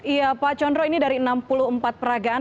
iya pak chondro ini dari enam puluh empat peragaan